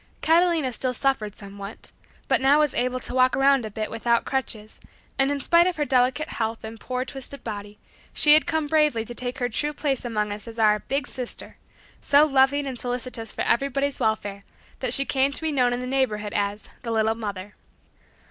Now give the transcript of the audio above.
Catalina still suffered somewhat, but now was able to walk around a bit without crutches, and in spite of her delicate health and poor twisted body she had come bravely to take her true place among us as our "big sister," so loving and solicitous for everybody's welfare that she came to be known in the neighborhood as "The little mother."